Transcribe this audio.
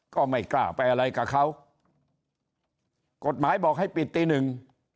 ก็ไม่กล้าไปอะไรกับเขากฎหมายบอกให้ปิดตีหนึ่ง